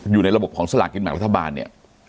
อยู่ในระบบของสลากินแบ่งรัฐบาลเนี่ย